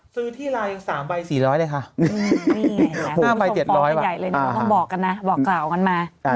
ซื้อที่ไลน์๓ใบ๔๐๐เลยค่ะ๑ใบ๗๐๐อะน่าไปส่งปอปใหญ่เลยนึกว่าต้องบอกกันนะ